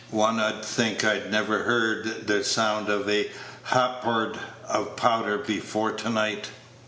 "One 'ud think I'd never heerd the sound of a ha' p'orth of powder before to night."